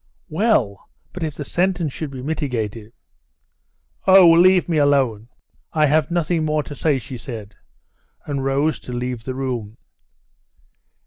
"Well, but if the sentence should be mitigated." "Oh, leave me alone. I have nothing more to say," she said, and rose to leave the room.